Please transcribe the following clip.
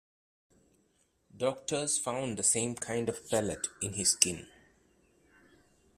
Doctors found the same kind of pellet in his skin.